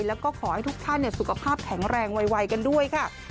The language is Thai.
แล้วก็ขอให้ทุกท่านสุขภาพแข็งแรงไวกันด้วยค่ะ